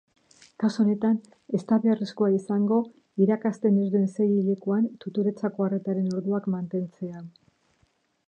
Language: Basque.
Kasu honetan, ez da beharrezkoa izango irakasten ez duen seihilekoan tutoretzako arretaren orduak mantentzea.